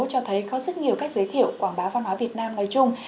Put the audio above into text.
cho thấy có rất nhiều cách giới thiệu quảng bá văn hóa việt nam nói chung